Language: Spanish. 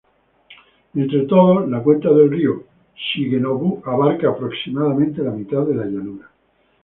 Entre todos, la cuenta del Río Shigenobu abarca aproximadamente la mitad de la llanura.